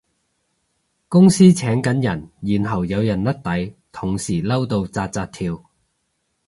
公司請緊人然後有人甩底，同事嬲到紮紮跳